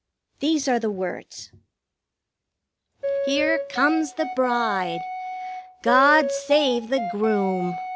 These are the words: 1 Here comes the Bride, God save the Groom!